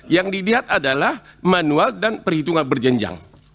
yang dilihat adalah manual dan perhitungan berjenjang